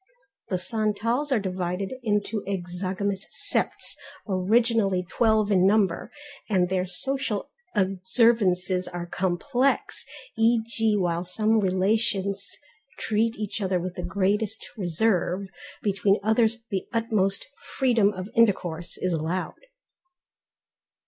The Santals are divided into exogamous septs originally twelve in number, and their social observances are complex, e.g. while some relations treat each other with the greatest reserve, between others the utmost freedom of intercourse is allowed.